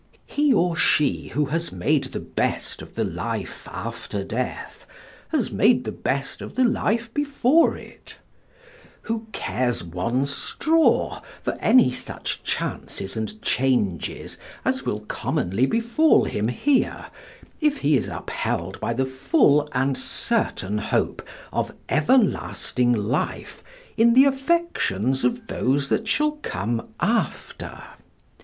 He or she who has made the best of the life after death has made the best of the life before it; who cares one straw for any such chances and changes as will commonly befall him here if he is upheld by the full and certain hope of everlasting life in the affections of those that shall come after?